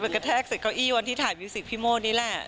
แล้วมันไปกระแท่กซิ่คเก้าอี้วันถ่ายมิวสิกพี่โม้นนี่แหละ